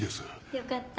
よかった。